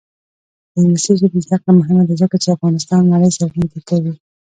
د انګلیسي ژبې زده کړه مهمه ده ځکه چې افغانستان نړۍ سره نږدې کوي.